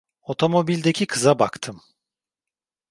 Otomobildeki kıza baktım.